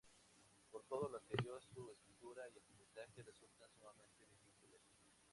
Por todo lo anterior, su escritura y aprendizaje resultan sumamente difíciles.